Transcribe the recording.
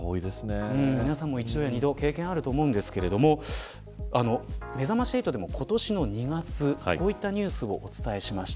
皆さんも１度や２度経験あると思うんですけれどもめざまし８でも、今年の２月こういったニュースをお伝えしました。